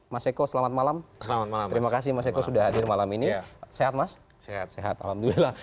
mas eko selamat malam selamat malam terima kasih mas eko sudah hadir malam ini sehat mas sehat sehat alhamdulillah